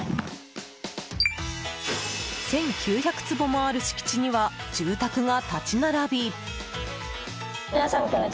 １９００坪もある敷地には住宅が立ち並び。